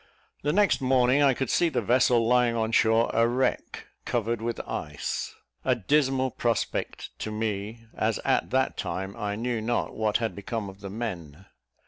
The next morning I could see the vessel lying on shore a wreck, covered with ice. A dismal prospect to me, as at that time I knew not what had become of the men.